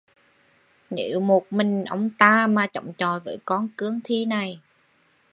Nếu một mình ông ta mà chống chọi với con cương thi này